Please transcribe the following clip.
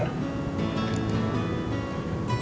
ada yang mau aku omongin